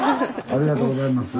ありがとうございます。